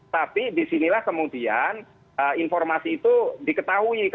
tapi di sinilah kemudian informasi itu diketahui